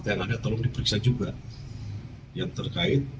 terangnya tolong diperiksa juga yang terkait